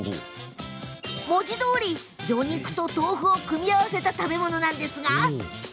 文字どおり、魚肉と豆腐を組み合わせた食べ物です。